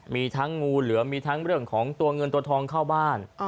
มีทั้งงูเหลือมีทั้งเรื่องของตัวเงินตัวทองเข้าบ้าน